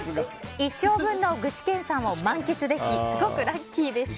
一生分の具志堅さんを満喫できすごくラッキーでした。